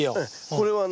これはね